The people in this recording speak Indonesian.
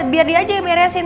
biar dia aja yang beresin